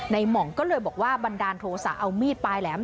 หม่องก็เลยบอกว่าบันดาลโทษะเอามีดปลายแหลม